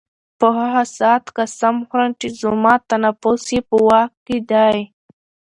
په هغه ذات قسم خورم چي زما نفس ئي په واك كي دی